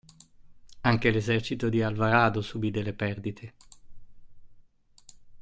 Anche l'esercito di Alvarado subì delle perdite.